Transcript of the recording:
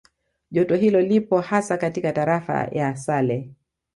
Joto hilo lipo hasa katika Tarafa ya Sale